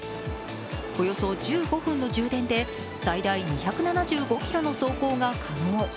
およそ１５分の充電で最大２７５ｋｍの走行が可能。